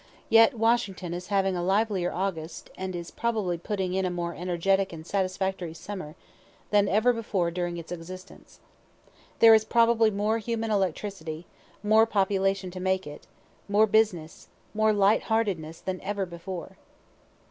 Yet Washington is having a livelier August, and is probably putting in a more energetic and satisfactory summer, than ever before during its existence. There is probably more human electricity, more population to make it, more business, more light heartedness, than ever before.